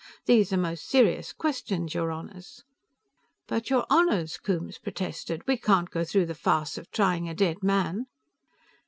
These are most serious questions, your Honors." "But, your Honors," Coombes protested, "we can't go through the farce of trying a dead man."